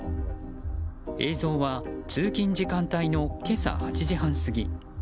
映像は通勤時間帯の今朝８時半過ぎ。